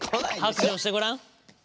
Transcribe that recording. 白状してごらん？